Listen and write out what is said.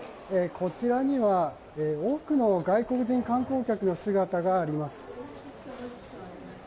こちらには、多くの外国人観光客の姿があります。